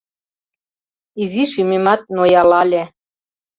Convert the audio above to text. Изи шӱмемат ноялале...